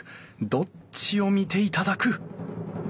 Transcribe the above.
どっちを見て頂く？